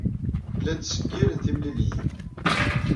Llan ttseggiren timliliyin.